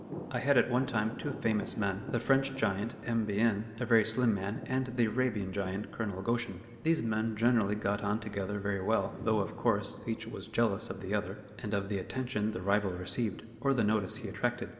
I had at one time two famous men, the French giant, M. Bihin, a very slim man, and the Arabian giant, Colonel Goshen. These men generally got on together very well, though, of course, each was jealous of the other, and of the attention the rival received, or the notice he attracted.